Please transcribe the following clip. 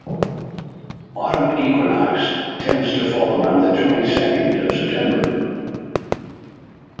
Autumn equinox tends to fall around the twenty-second of September.